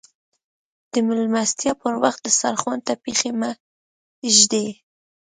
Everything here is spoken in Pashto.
د ميلمستيا پر وخت دسترخوان ته پښې مه ږدئ.